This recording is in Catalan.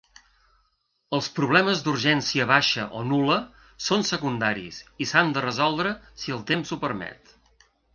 Els problemes d'urgència baixa o nul·la són secundaris i s'han de resoldre si el temps ho permet.